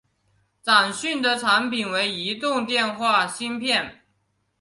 展讯的产品为移动电话芯片。